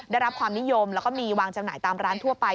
ได้รับความนิยมแล้วก็มีวางจำหน่ายตามร้านทั่วไป